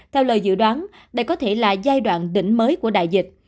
theo lời dự đoán đây có thể là giai đoạn đỉnh mới của đại dịch